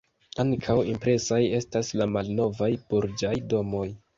Ankaŭ impresaj estas la malnovaj burĝaj domoj.